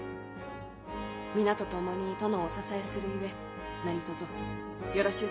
皆と共に殿をお支えするゆえ何とぞよろしゅう